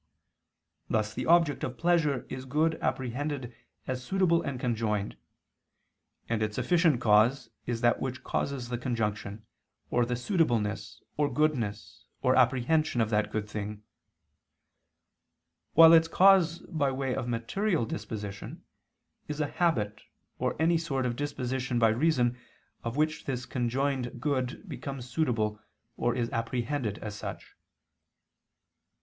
Thus the object of pleasure is good apprehended as suitable and conjoined: and its efficient cause is that which causes the conjunction, or the suitableness, or goodness, or apprehension of that good thing; while its cause by way of material disposition, is a habit or any sort of disposition by reason of which this conjoined good becomes suitable or is apprehended as such.